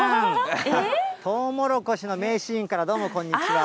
トウモロコシの名シーンからどうも、こんにちは。